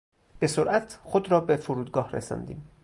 به سرعت خود را به فرودگاه رساندیم.